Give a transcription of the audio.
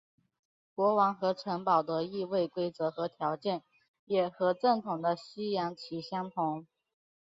国王和城堡的易位规则和条件也和正统的西洋棋相同。